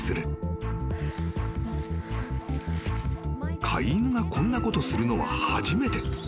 ［飼い犬がこんなことするのは初めて］